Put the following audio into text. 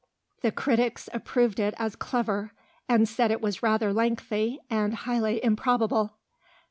The critics approved it as clever, and said it was rather lengthy and highly improbable.